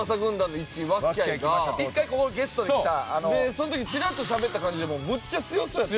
その時にちらっとしゃべった感じでもむっちゃ強そうやった。